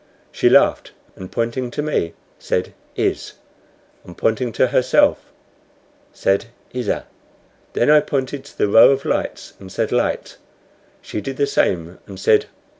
She laughed, and pointing to me said "Iz," and pointing to herself said, "Izza." Then I pointed to the row of lights, and said "Light;" she did the same, and said, "Or."